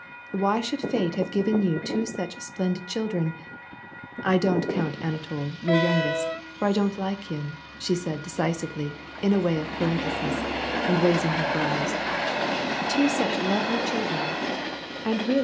Why should fate have given you two such splendid children (I don't count Anatol, your youngest, for I don't like him," she said decisively, in way of parenthesis, and raising her brows), two such lovely children, and really • C*e9t vnpauvre Sire, ce Baron h ce qu'il paraii.